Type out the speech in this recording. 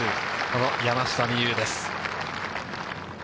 この山下美夢有です。